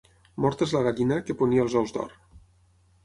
Morta és la gallina que ponia els ous d'or.